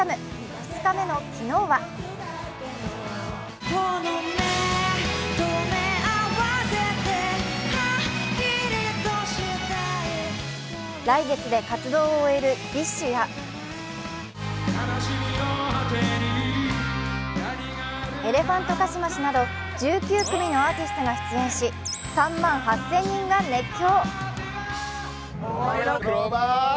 ２日目の昨日は来月で活動を終えるＢｉＳＨやエレファントカシマシなど１９組のアーティストが出演し３万８０００人が熱狂。